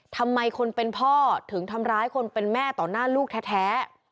ทำไมคนเป็นพ่อถึงทำร้ายคนเป็นแม่ต่อหน้าลูกแท้